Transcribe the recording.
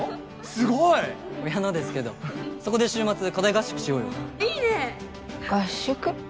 すごい！親のですけどそこで週末課題合宿しようよいいねえ合宿？